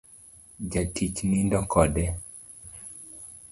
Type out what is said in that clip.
Jatich nindo kode